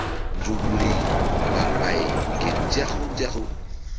Nzukri ɓah ɓay ke nzaku nzaku.